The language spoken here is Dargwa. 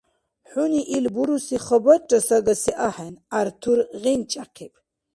— ХӀуни ил буруси хабарра сагаси ахӀен, — ГӀяртур гъинчӀяхъиб.